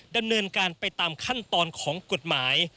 ดำเนินการไปตามขั้นตอนของกฎหมาย